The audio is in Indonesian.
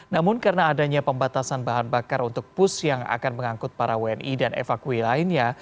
namun karena adanya pembatasan bahan bakar untuk pus yang akan mengangkut para wni dan evakuasi lainnya